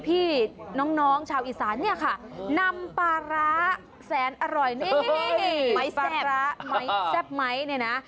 พี่น้องชาวอีสานเนี่ยค่ะนำปลาร้าแสนอร่อยนี่ไม้แซ่บร้าไม้แซ่บไหมเนี่ยนะ